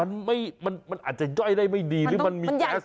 มันไม่มันมันอาจจะย่อยได้ไม่ดีหรือมันมีมันใหญ่ไป